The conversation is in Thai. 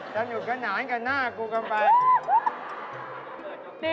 จะอยู่กันไหนกันหน้ากูกำไป